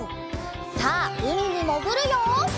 さあうみにもぐるよ！